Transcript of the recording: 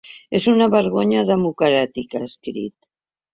És una vergonya democràtica, ha escrit.